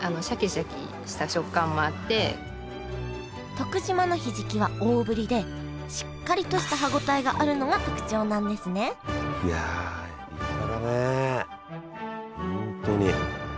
徳島のひじきは大ぶりでしっかりとした歯応えがあるのが特徴なんですねいや立派だね本当に。